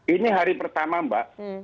ini hari pertama mbak